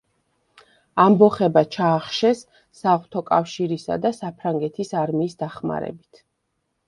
ამბოხება ჩაახშეს საღვთო კავშირისა და საფრანგეთის არმიის დახმარებით.